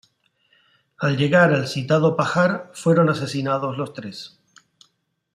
Al llegar al citado pajar fueron asesinados los tres.